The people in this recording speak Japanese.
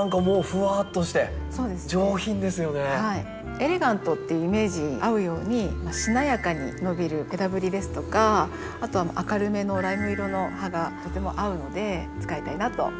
エレガントっていうイメージに合うようにしなやかに伸びる枝ぶりですとかあとは明るめのライム色の葉がとても合うので使いたいなと思って。